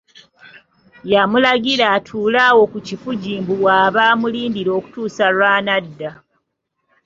Yamulagira atuule awo ku kifugi mbu w’aba amulindira okutuusa lw’anadda.